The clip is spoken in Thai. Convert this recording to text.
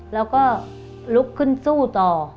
เราก็ลุกขึ้นสู้ต่อ